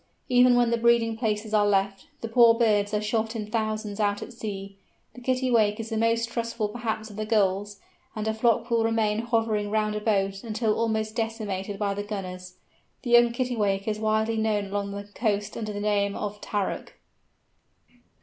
Even when the breeding places are left, the poor birds are shot in thousands out at sea. The Kittiwake is the most trustful perhaps of the Gulls, and a flock will remain hovering round a boat until almost decimated by the gunners. The young Kittiwake is widely known along the coast under the name of "Tarrock."